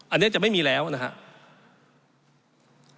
อันนี้จะไม่มีแล้วนะครับ